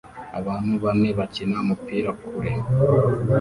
Abantu bane bakina umupira kure